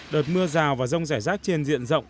đợt mưa rào và rông rải rác trên diện rộng